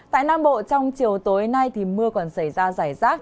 tại nam bộ trong chiều tối nay thì mưa còn xảy ra rải rác